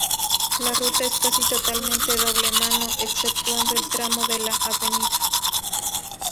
La ruta es casi totalmente doble mano, exceptuando el tramo de la Av.